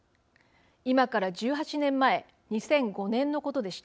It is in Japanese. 今から１８年前２００５年のことでした。